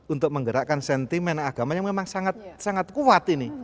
untuk menggerakkan sentimen agama yang memang sangat kuat ini